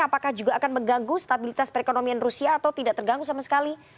apakah juga akan mengganggu stabilitas perekonomian rusia atau tidak terganggu sama sekali